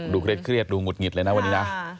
เครียดดูหงุดหงิดเลยนะวันนี้นะ